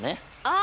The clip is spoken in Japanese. あ！